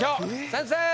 先生！